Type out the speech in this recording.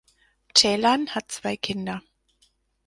Ceylan hat zwei Kinder.